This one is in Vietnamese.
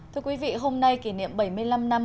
thưa quý vị hôm nay kỷ niệm bảy mươi năm năm